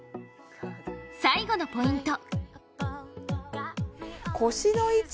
最後のポイント。